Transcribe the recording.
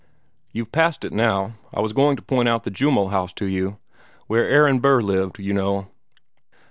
"You've passed it now. I was trying to point out the Jumel house to you where Aaron Burr lived, you know."